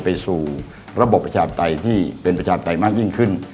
ไปสู่ระบบประชาธิปไตยที่เป็นประชาธิปไตยมากยิ่งขึ้น